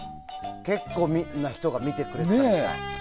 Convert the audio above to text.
結構いろんな人が見てくれていたみたいで。